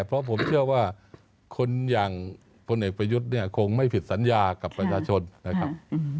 เพราะผมเชื่อว่าคนอย่างพลเอกประยุทธ์เนี่ยคงไม่ผิดสัญญากับประชาชนนะครับ